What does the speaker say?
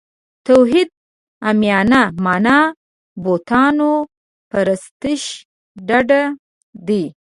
توحید عامیانه معنا بوتانو پرستش ډډه دی.